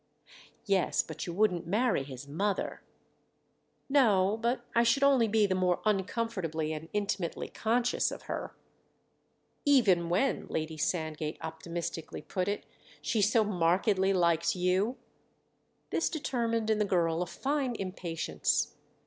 "Yes—but you wouldn't marry his mother." "No—but I should only be the more uncomfortably and intimately conscious of her." "Even when," Lady Sandgate optimistically put it, "she so markedly likes you?" This determined in the girl a fine impatience.